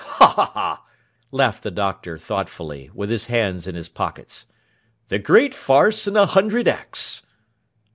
'Ha ha ha!' laughed the Doctor thoughtfully, with his hands in his pockets. 'The great farce in a hundred acts!